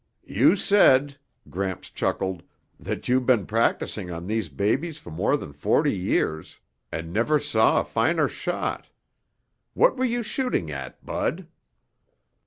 "You said," Gramps chuckled, "that you've been practicing on these babies for more than forty years and never saw a finer shot. What were you shooting at, Bud?"